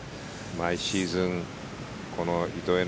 毎シーズンこの伊藤園